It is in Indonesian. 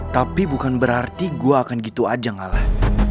tapi bukan berarti gue akan gitu aja ngalah